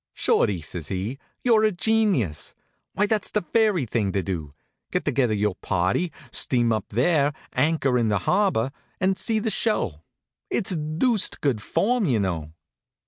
"Shorty," says he, "you're a genius. Why, that's the very thing to do. Get together your party, steam up there, anchor in the harbor, and see the show. It's deuced good form, you know."